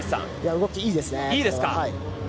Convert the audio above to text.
動きいいですね。